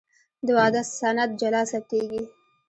د واده سند جلا ثبتېږي.